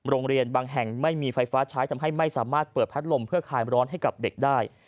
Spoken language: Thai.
โรงเรียนบางแห่งไม่มีไฟฟ้าใช้ทำให้ไม่สามารถเปิดพัดลมเพื่อคลายร้อนให้กับเด็กได้